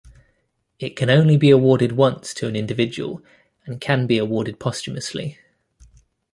It can only be awarded once to an individual, and can be awarded posthumously.